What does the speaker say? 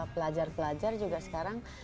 pelajar pelajar juga sekarang